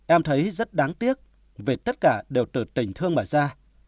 em thấy rất đáng tiếc vì tất cả đều từ tình thương mà ra